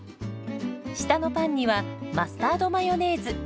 下のパンにはマスタードマヨネーズ。